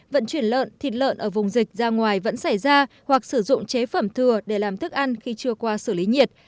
vận chuyển lợn thịt lợn ở vùng dịch ra ngoài vẫn xảy ra hoặc sử dụng chế phẩm thừa để làm thức ăn khi chưa qua xử lý nhiệt